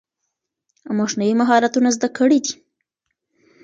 موږ نوي مهارتونه زده کړي دي.